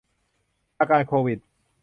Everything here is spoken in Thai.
อาการโควิด